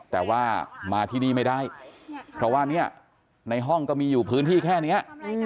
แต่ว่ามาที่นี่ไม่ได้เพราะว่าเนี่ยในห้องก็มีอยู่พื้นที่แค่นี้